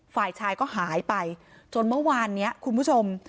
ฝ่ายชายก็หายไปจนเมื่อวานนี้คุณผู้ชม